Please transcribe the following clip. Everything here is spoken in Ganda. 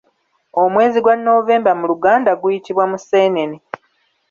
Omwezi gwa November mu luganda guyitibwa Museenene.